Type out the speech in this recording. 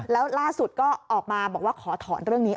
แล้วล่าสุดก็ออกมาบอกว่าขอถอนเรื่องนี้